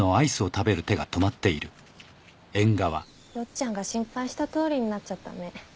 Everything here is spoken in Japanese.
よっちゃんが心配したとおりになっちゃったね。